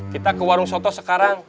kita ke warung soto sekarang